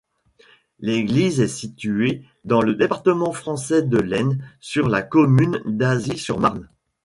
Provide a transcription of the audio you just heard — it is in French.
L'église est située dans le département français de l'Aisne, sur la commune d'Azy-sur-Marne.